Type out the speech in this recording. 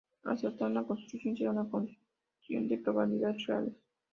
Acertar en la conclusión será una cuestión de probabilidades reales.